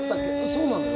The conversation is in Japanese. そうなのよ。